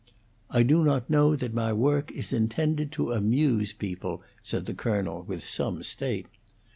"I do not know that my work is intended to amuse people," said the Colonel, with some state.